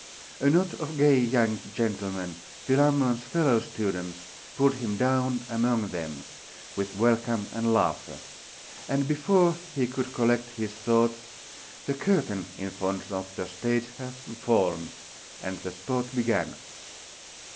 A knot of gay young gentlemen, Philammon's fellow students, pulled him down among them, with welcome and laughter; and before he could collect his thoughts, the curtain in front of the stage had fallen, and the sport began.